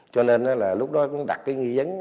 cho nên là lúc đó cũng đặt cái nghi vấn